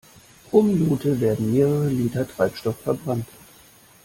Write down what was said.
Pro Minute werden mehrere Liter Treibstoff verbrannt.